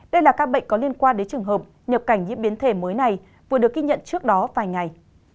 đây là các bệnh có liên quan đến trường hợp nhập cảnh những biến thể mới này vừa được ghi nhận trước đó vài ngày